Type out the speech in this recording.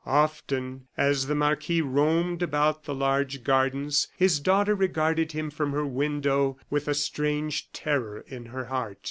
Often, as the marquis roamed about the large gardens, his daughter regarded him from her window with a strange terror in her heart.